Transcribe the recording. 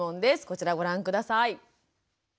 こちらをご覧下さい。